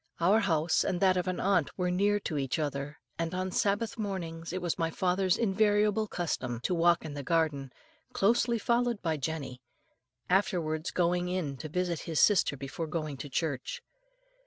Our house and that of an aunt were near to each other, and on Sabbath mornings it was my father's invariable custom to walk in the garden, closely followed by Jenny, afterwards going in to visit his sister before going to church.